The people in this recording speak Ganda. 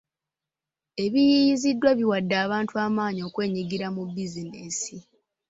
Ebiyiiyiziddwa biwadde abantu amaanyi okwenyigira mu bizinesi.